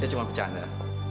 saya cuma bercanda